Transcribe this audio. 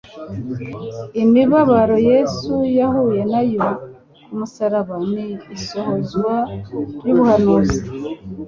Imibabaro Yesu yahuye na yo ku musaraba ni isohozwa ry'ubuhanuzi.